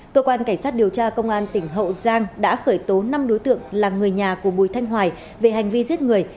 cơ quan cảnh sát điều tra công an tỉnh hậu giang đã khởi tố năm đối tượng là người nhà của bùi thanh hoài về hành vi giết người